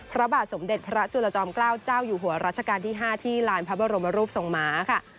พระบาทสมเด็จพระจุลจอมเกล้าเจ้าอยู่หัวรัชกาลที่๕ที่ลานพระบรมรูปทรงหมาค่ะ